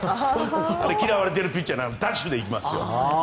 あれ嫌われているピッチャーならダッシュで行きますよ。